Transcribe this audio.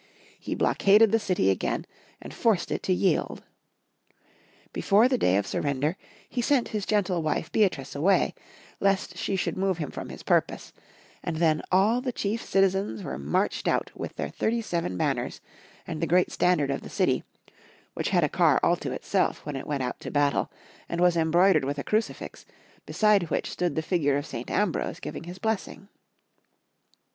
He blockaded the city again, and forced it to yield.. Before the day of surrender, he sent his gentle Mdfe Beatrice away, lest she should move him from his purpose, and then all the chief citi zens were marched out with their thirty seven ban ners and the great standard of the city, which had a car all to itself when it went out to battle, and was embroidered with a Crucifix, beside which stood the figure of St. Ambrose giving his blessing. 182 Young Folks' History of Germany.